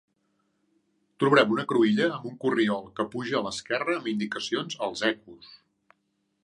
Trobarem una cruïlla amb un corriol que puja a l'esquerra amb indicacions als Ecos.